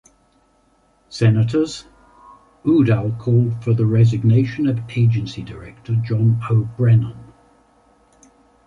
Senators, Udall called for the resignation of Agency Director John O. Brennan.